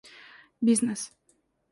бизнес